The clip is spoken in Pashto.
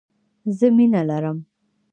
زه مينه لرم